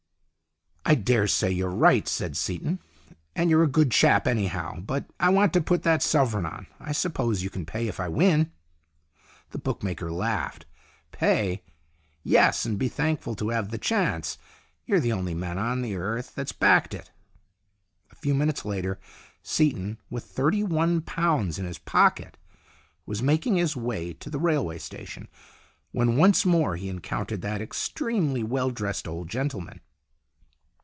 " I dare say you're right," said Seaton ;" and you're a good chap, anyhow. But I want to put that sovereign on. I suppose you can pay if I win ?" The bookmaker laughed. " Pay ? Yes, and be thankful to have the chance. You're the only man on the earth that's backed it." A few minutes later Seaton, with thirty one pounds in his pocket, was making his way to the railway station, when once more he encountered that extremely well dressed old gentleman.